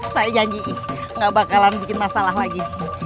saya janji gak bakalan bikin masalah lagi